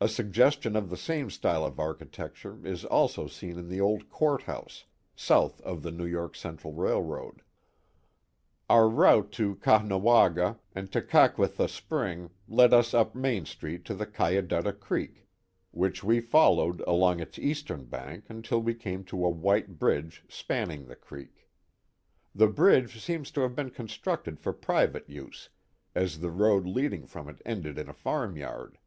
A suggestion of the same style of architecture is also seen in the old court house, south of the New York Central Railroad. Our route to Caughnawaga and Tekakwitha spring led us up Main Street to the Cayadutta Creek, which we followed along its eastern bank until we came to a white bridge span ning the creek. The bridge seems to have been constructed for private use as the road leading from it ended in a farm yard.